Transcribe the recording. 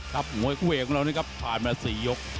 มวยคู่เอกของเรานี่ครับผ่านมา๔ยก